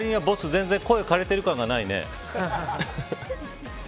全然、声が枯れてる感がないね。